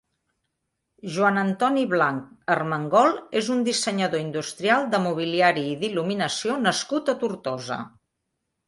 Joan Antoni Blanc Armengol és un dissenyador industrial, de mobiliari i d'il·luminació nascut a Tortosa.